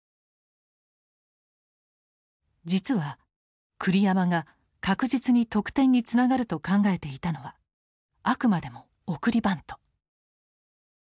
実は栗山が確実に得点につながると考えていたのはあくまでも送りバント。